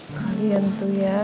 kalian tuh ya